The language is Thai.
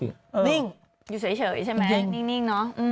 นิ่งอยู่เฉยใช่ไหมนิ่งเนอะ